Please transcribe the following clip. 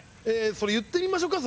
それ言ってみましょか。